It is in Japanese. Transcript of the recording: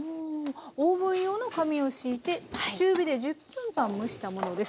オーブン用の紙を敷いて中火で１０分間蒸したものです。